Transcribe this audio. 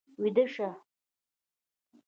ويده شه.